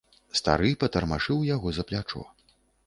Стары патармашыў яго за плячо.